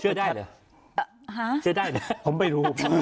เชื่อได้เหรอเชื่อได้เหรอ